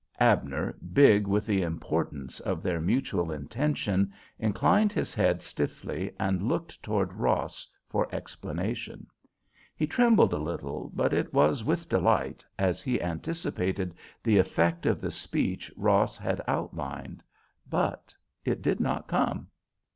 Abner, big with the importance of their mutual intention, inclined his head stiffly and looked toward Ross for explanation. He trembled a little, but it was with delight, as he anticipated the effect of the speech Ross had outlined. But it did not come.